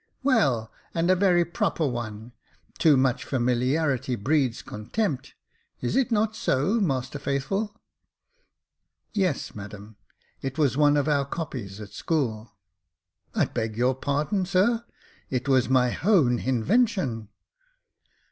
" Well, and a very proper one —' Too much familiarity breeds contempt^ — is it not so. Master Faithful."*" " Yes, madam, it was one of our copies at school." " I beg your pardon, sir, it was my hown /?»invention."